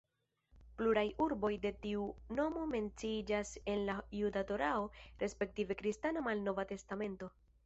Pluraj urboj de tiu nomo menciiĝas en la juda torao respektive kristana malnova testamento.